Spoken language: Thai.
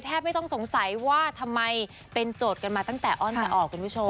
ไม่ต้องสงสัยว่าทำไมเป็นโจทย์กันมาตั้งแต่อ้อนแต่ออกคุณผู้ชม